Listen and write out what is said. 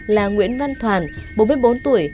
là nguyễn văn thoàn bốn mươi bốn tuổi